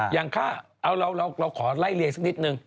อย่างข้าเราขอไล่เรียงสักนิดนึง